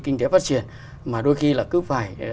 kinh tế phát triển mà đôi khi là cứ phải